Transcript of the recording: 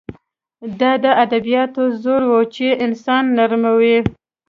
دا د ادبیاتو زور و چې انسان نرموي